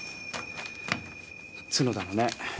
角田のね。